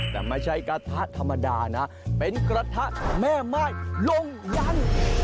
แต่ไม่ใช่กระทะธรรมดานะเป็นกระทะแม่ม่ายลงยัน